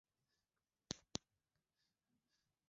Utokeaji wa vifo vya ndama kwa ugonjwa wa kuhara hutofautiana